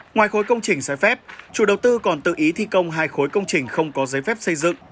ngoài khối công trình sai phép chủ đầu tư còn tự ý thi công hai khối công trình không có giấy phép xây dựng